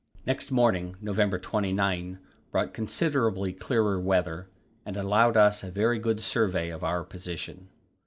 Next morning, November 29, brought considerably clearer weather, and allowed us a very good survey of our position.